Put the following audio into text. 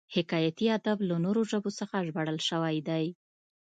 حکایتي ادب له نورو ژبو څخه ژباړل شوی دی